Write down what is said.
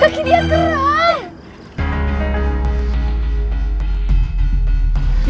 kaki dia keren